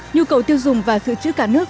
nhu cầu tiêu dùng và sự trữ cả nước